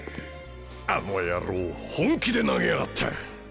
あの野郎本気で投げやがった。